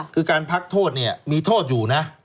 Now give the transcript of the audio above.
คือการพักโทษเนี่ยมีโทษอยู่นะ